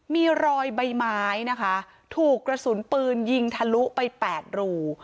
มีรอยใบไม้นะคะถูกกระสุนปืนยิงทะลุไป๘รู